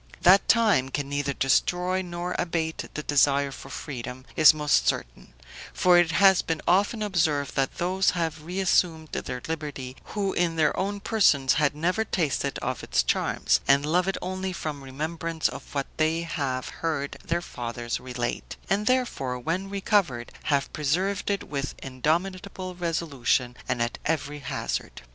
"That time can neither destroy nor abate the desire for freedom is most certain; for it has been often observed, that those have reassumed their liberty who in their own persons had never tasted of its charms, and love it only from remembrance of what they have heard their fathers relate; and, therefore, when recovered, have preserved it with indomitable resolution and at every hazard.